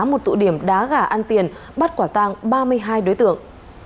một tụ điểm đá gà ăn tiền bắt quả tang ba mươi hai đối tượng